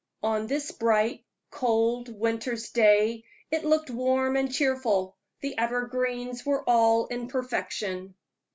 On this bright, cold winter's day it looked warm and cheerful; the evergreens were all in perfection.